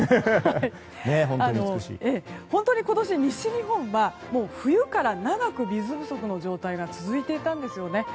本当に今年、西日本は冬から長く水不足の状態が続いていたんですよね。